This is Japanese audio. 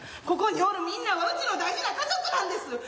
ここにおるみんなはうちの大事な家族なんです。